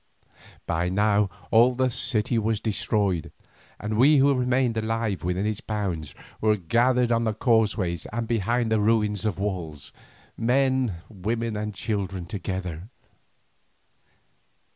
By now all the city was destroyed, and we who remained alive within its bounds were gathered on the causeways and behind the ruins of walls; men, women, and children together.